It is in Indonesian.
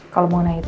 kalau mengenai itu